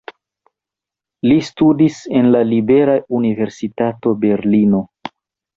Li studis en la Libera Universitato Berlino.